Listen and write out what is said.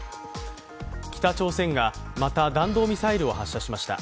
北朝鮮がまた、弾道ミサイルを発射しました。